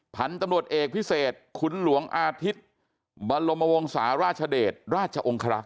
พันธุ์ตำรวจเอกพิเศษขุนหลวงอาทิตย์บรมวงศาราชเดชราชองคลักษ